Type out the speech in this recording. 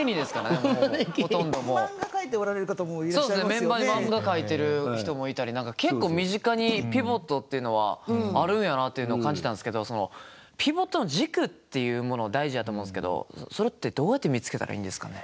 メンバーに漫画描いてる人もいたり何か結構身近にピボットっていうのはあるんやなっていうのを感じたんすけどそのピボットの軸っていうもの大事やと思うんすけどそれってどうやって見つけたらいいんですかね？